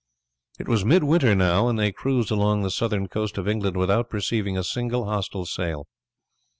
It was midwinter now, and they cruised along the southern coast of England without perceiving a single hostile sail.